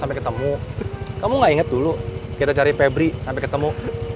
mudah mudahan kita ketemu